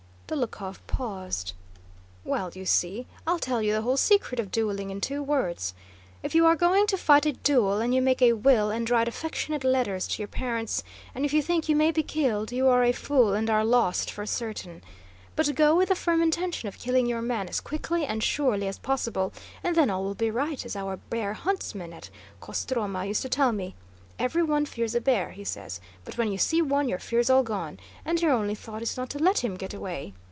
Dólokhov paused. "Well, you see, I'll tell you the whole secret of dueling in two words. If you are going to fight a duel, and you make a will and write affectionate letters to your parents, and if you think you may be killed, you are a fool and are lost for certain. But go with the firm intention of killing your man as quickly and surely as possible, and then all will be right, as our bear huntsman at Kostromá used to tell me. 'Everyone fears a bear,' he says, 'but when you see one your fear's all gone, and your only thought is not to let him get away!